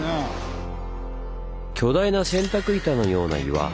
巨大な洗濯板のような岩。